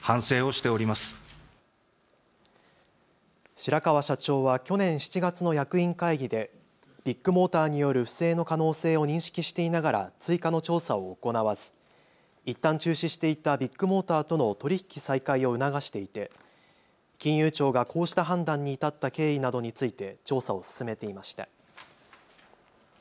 白川社長は去年７月の役員会議でビッグモーターによる不正の可能性を認識していながら追加の調査を行わずいったん中止していたビッグモーターとの取り引き再開を促していて金融庁がこうした判断に至った経緯などについて調査を進めていました。